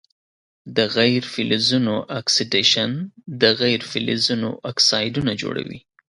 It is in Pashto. د غیر فلزونو اکسیدیشن د غیر فلزونو اکسایدونه جوړوي.